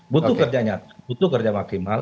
butuh kerjanya butuh kerja maksimal